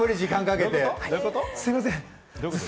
すみません。